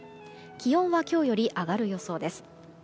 気温は今日より上がる予想です。